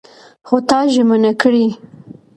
خو تا ژمنه کړې!